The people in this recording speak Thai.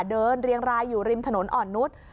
เรียงรายอยู่ริมถนนอ่อนนุษย์